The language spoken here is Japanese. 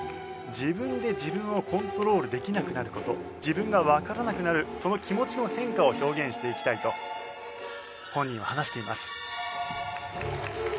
自分で自分をコントロールできなくなる事自分がわからなくなるその気持ちの変化を表現していきたいと本人は話しています。